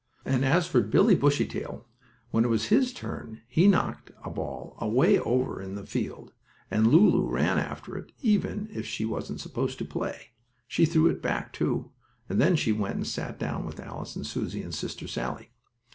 And as for Billie Bushytail, when it was his turn, he knocked a ball away over in the field, and Lulu ran after it, even if she wasn't supposed to play. She threw it back too, and then she went and sat down with Alice and Susie and Sister Sallie.